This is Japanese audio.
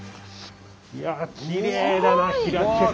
いやきれいだな開けて。